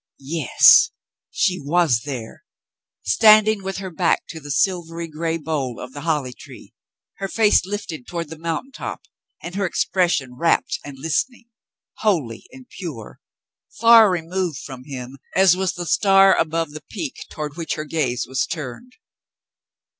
Yes, she was there, standing with her back to the silvery gray bole of the holly tree, her face lifted toward the mountain top and her expression rapt and listening — holy and pure — far removed from him as was the star above the peak toward which her gaze was turned.